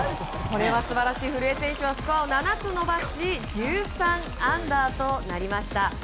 これは素晴らしい古江選手、スコアを７つ伸ばし１３アンダーとなりました。